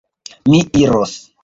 Mi iros.